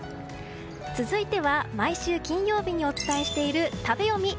続いては毎週金曜日にお伝えしている食べヨミ。